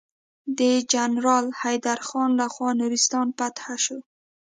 د جنرال حيدر خان لخوا نورستان فتحه شو.